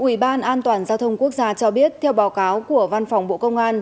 ủy ban an toàn giao thông quốc gia cho biết theo báo cáo của văn phòng bộ công an